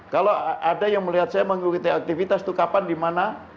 kalau ada yang melihat saya mengikuti aktivitas itu kapan di mana